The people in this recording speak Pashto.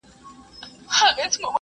په ښو مي یاد کړی زړو، زلمیانو .